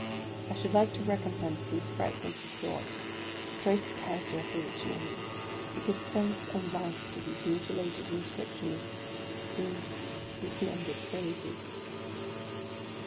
I should like to recompose these fragments of thought; to trace a character for each name; to give sense and life to these mutilated inscriptions, — these dismembered phrases.